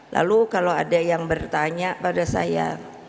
lalu kalau ada yang bertanya pada saya